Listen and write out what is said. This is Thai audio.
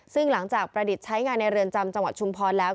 ซึ่งหลังจากประดิษฐ์ใช้งานในเรือนจำจังหวัดชุมพรแล้ว